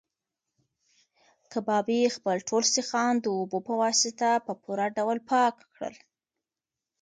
کبابي خپل ټول سیخان د اوبو په واسطه په پوره ډول پاک کړل.